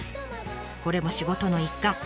これも仕事の一環。